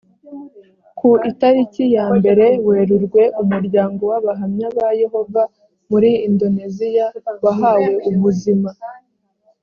ku itariki yambere werurwe umuryango w abahamya ba yehova muri indoneziya wahawe ubuzima